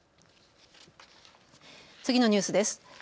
次のニュースです。